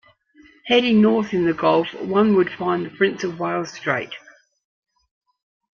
Heading north in the gulf one would find the Prince of Wales Strait.